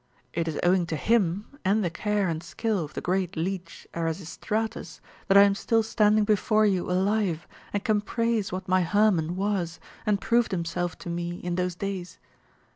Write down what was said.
It is owing to him, and the care and skill of the great leech Erasistratus, that I am still standing before you alive and can praise what my Hermon was and proved himself to me in those days.